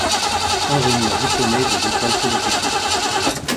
Ingénieur diplômé de l'École polytechnique.